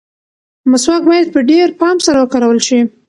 مسواک باید په ډېر پام سره وکارول شي.